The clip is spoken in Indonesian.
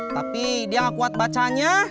tapi dia gak kuat bacanya